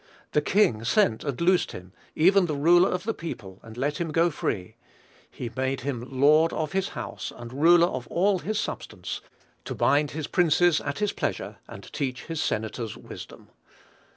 The king sent and loosed him; even the ruler of the people, and let him go free. He made him lord of his house, and ruler of all his substance; to bind his princes at his pleasure, and teach his senators wisdom."